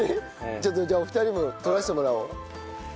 ちょっとじゃあお二人も取らせてもらおう。